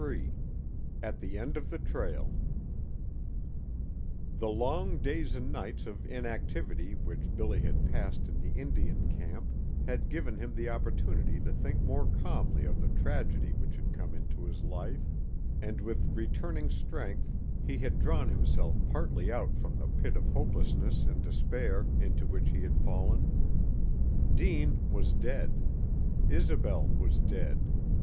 XXIII AT THE END OF THE TRAIL The long days and nights of inactivity which Billy had passed in the Indian camp had given him the opportunity to think more calmly of the tragedy which had come into his life, and with returning strength he had drawn himself partly out from the pit of hopelessness and despair into which he had fallen. Deane was dead. Isobel was dead.